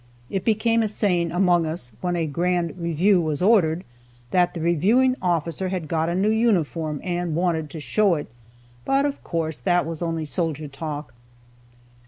It became a saying among us, when a grand review was ordered, that the reviewing officer had got a new uniform and wanted to show it but, of course, that was only soldier talk.